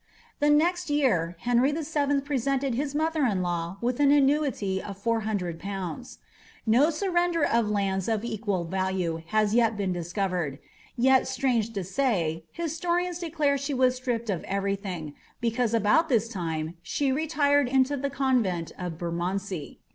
The next year, Henry VII. presented his mother in law with an annu ity of 400/.' No surrender of lands of equal value has yet been disco vered ; yet, strange to say, historians declare she was stripped of every thing, because about this time she retired into the convent of Bermond •ey.